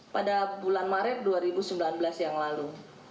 pada bulan maret dua ribu sembilan belas yang lalu